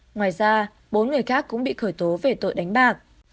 ngoài ra bốn người khác cũng bị khởi tố về tội đánh bạc